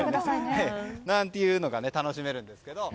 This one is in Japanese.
なんていうのが楽しめるんですけど。